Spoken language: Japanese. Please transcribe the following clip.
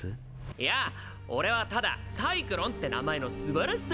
いや俺はただサイクロンって名前のすばらしさについて。